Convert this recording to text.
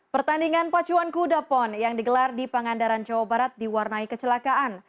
pertandingan pacuan kuda pon yang digelar di pangandaran jawa barat diwarnai kecelakaan